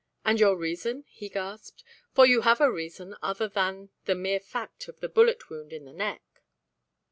"And your reason?" he gasped, "for you have a reason other than the mere fact of the bullet wound in the neck."